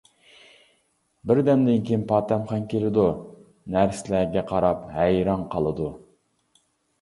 بىردەمدىن كېيىن پاتەمخان كېلىدۇ، نەرسىلەرگە قاراپ ھەيران قالىدۇ.